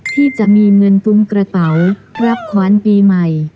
ที่จะมีเงินตุ้มกระเป๋ารับขวานปีใหม่